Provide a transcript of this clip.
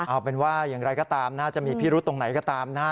เอาเป็นว่าอย่างไรก็ตามนะจะมีพิรุษตรงไหนก็ตามนะฮะ